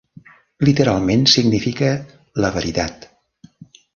Literalment significa "la veritat".